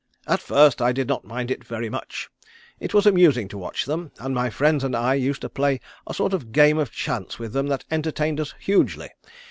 "At first I did not mind it very much. It was amusing to watch them, and my friends and I used to play a sort of game of chance with them that entertained us hugely.